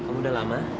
kamu udah lama